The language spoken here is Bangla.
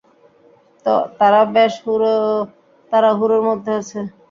তারা বেশ তাড়াহুড়োর মধ্যে আছে!